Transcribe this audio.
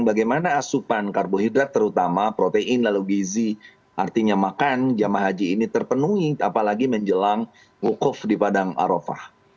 karena asupan karbohidrat terutama protein lalu gizi artinya makan jemaah haji ini terpenuhi apalagi menjelang wukuf di padang arafah